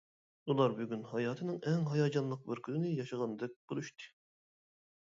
ئۇلار بۈگۈن ھاياتىنىڭ ئەڭ ھاياجانلىق بىر كۈنىنى ياشىغاندەك بولۇشتى.